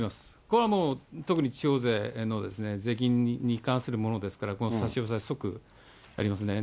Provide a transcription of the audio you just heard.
これはもう、特に地方税の税金に関するものですから、この差し押さえ即やりますね。